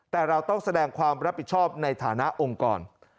แต่เราต้องแสดงความรับผิดชอบในฐานะองค์กร